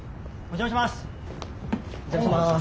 お邪魔します。